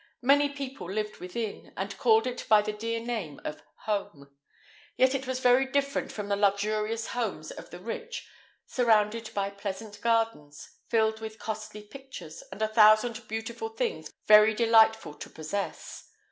Many people lived within, and called it by the dear name of home; yet it was very different from the luxurious homes of the rich, surrounded by pleasant gardens, filled with costly pictures, and a thousand beautiful things very delightful to possess.